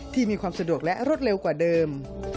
มีความสะดวกและรวดเร็วกว่าเดิม